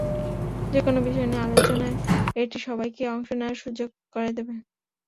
যেকোনো বিষয় নিয়ে আলোচনায় এটি সবাইকে অংশ নেওয়ার সুযোগ করে দেবে।